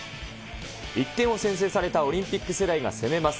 １点を先制されたオリンピック世代が攻めます。